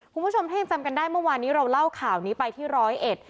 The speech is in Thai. คุณผู้ชมถ้ายังจำกันได้เมื่อวานนี้เราเล่าข่าวนี้ไปที่ร้อยเอ็ด